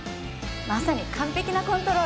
まさに完璧なコントロール！